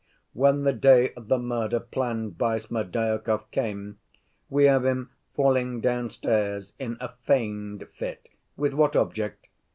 "When the day of the murder planned by Smerdyakov came, we have him falling downstairs in a feigned fit—with what object?